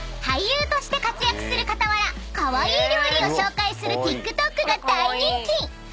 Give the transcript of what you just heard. ［俳優として活躍する傍らカワイイ料理を紹介するＴｉｋＴｏｋが大人気！］